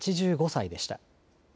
８５歳でした。